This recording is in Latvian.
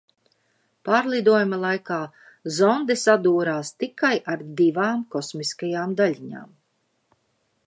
Pārlidojuma laikā zonde sadūrās tikai ar divām kosmiskajām daļiņām.